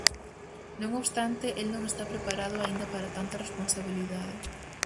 Non obstante, el non está preparado aínda para tanta responsabilidade.